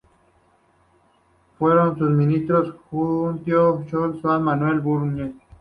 Fueron sus ministros Justino I. Solari y Manuel A. Bermúdez.